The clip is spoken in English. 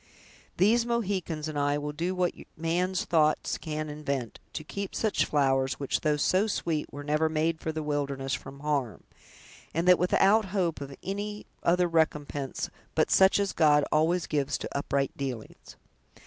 These Mohicans and I will do what man's thoughts can invent, to keep such flowers, which, though so sweet, were never made for the wilderness, from harm, and that without hope of any other recompense but such as God always gives to upright dealings.